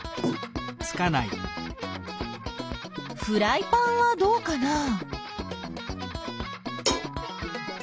フライパンはどうかな？